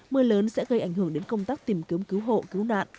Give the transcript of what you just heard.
mưa lớn sẽ gây ảnh hưởng đến công tác tìm kiếm cứu hộ cứu nạn